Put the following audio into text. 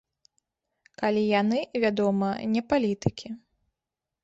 Калі яны, вядома, не палітыкі.